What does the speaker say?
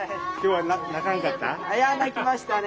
いや泣きましたね。